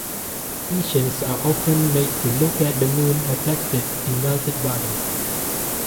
Patients are often made to look at the moon reflected in melted butter.